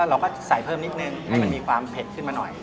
เราก็ใส่เพิ่มนิดนึงให้มันมีความเผ็ดขึ้นมาหน่อย